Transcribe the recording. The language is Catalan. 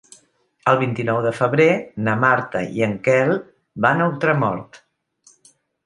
El vint-i-nou de febrer na Marta i en Quel van a Ultramort.